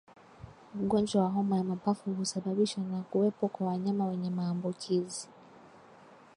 Ugonjwa wa homa ya mapafu husababishwa na kuwepo kwa wanyama wenye maambukizi